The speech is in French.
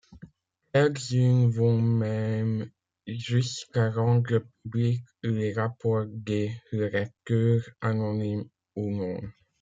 Quelques-unes vont même jusqu'à rendre publics les rapports des relecteurs, anonymes ou non.